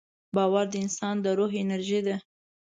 باور د انسان د روح انرژي ده.